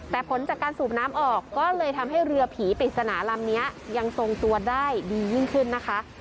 แต่ผลจากการสูบน้ำออกก็เลยทำให้เรือผีปริศนาลำนี้ยังทรงตัวได้ดียิ่งขึ้นนะคะ